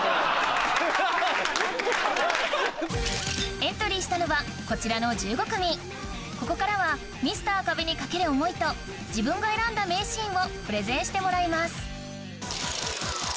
エントリーしたのはこちらの１５組ここからはミスター壁に懸ける思いと自分が選んだ名シーンをプレゼンしてもらいます